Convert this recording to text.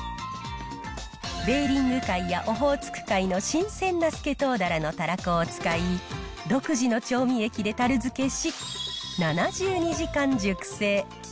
ベーリング海やオホーツク海の新鮮なスケトウダラのたらこを使い、独自の調味液でたる漬けし、７２時間熟成。